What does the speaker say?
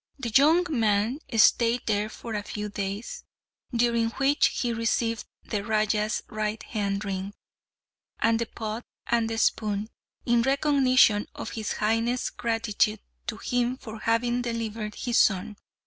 The young man stayed there a few days, during which he received the Raja's right hand ring, and the pot and spoon, in recognition of His Highness's gratitude to him for having delivered his son.